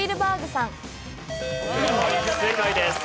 正解です。